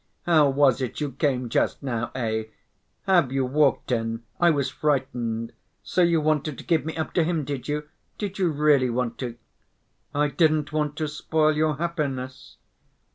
"How was it you came just now, eh? Have you walked in!... I was frightened. So you wanted to give me up to him, did you? Did you really want to?" "I didn't want to spoil your happiness!"